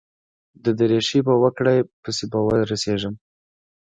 د درېشۍ په وکړه پسې به ورسېږم.